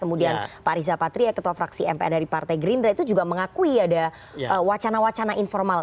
kemudian pak riza patria ketua fraksi mpr dari partai gerindra itu juga mengakui ada wacana wacana informal